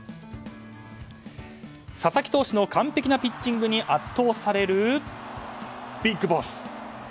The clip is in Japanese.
佐々木投手の完璧なピッチングに圧倒されるＢＩＧＢＯＳＳ。